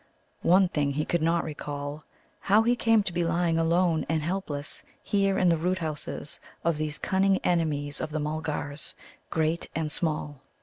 One thing he could not recall how he came to be lying alone and helpless here in the root houses of these cunning enemies of all Mulgars, great and small.